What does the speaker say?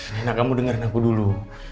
enak kamu dengerin aku dulu